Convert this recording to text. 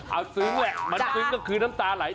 เอาซึ้งแหละมันซึ้งก็คือน้ำตาไหล